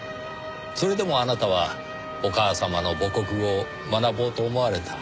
それでもあなたはお母様の母国語を学ぼうと思われた。